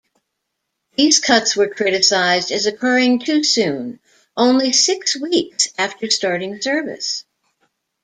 These cuts were criticized as occurring too soon, only six weeks after starting service.